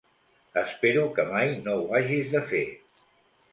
Espero que mai no ho hagis de fer.